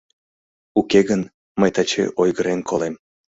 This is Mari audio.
Уке гын, мый таче ойгырен колем.